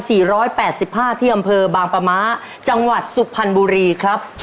สิบห้าที่อำเภอบางปะม้าจังหวัดสุขภัณฑ์บุรีครับ